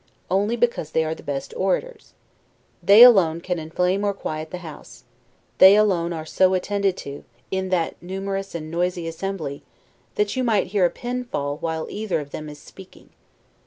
only because they are the best orators. They alone can inflame or quiet the House; they alone are so attended to, in that numerous and noisy assembly, that you might hear a pin fall while either of them is speaking.